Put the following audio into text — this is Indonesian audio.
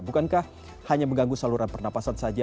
bukankah hanya mengganggu saluran pernafasan saja